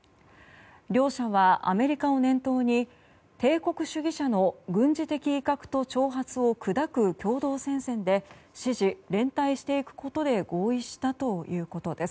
両者はアメリカを念頭に帝国主義者の軍事的威嚇と挑発を砕く共同戦線で支持・連帯していくことで合意したということです。